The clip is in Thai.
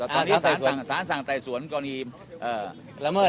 ถ้าสารไปที่สหภัยสหัยสวนขออธิบที